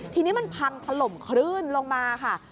ทีนี้มันพังถล่มคลื่นลงมาค่ะ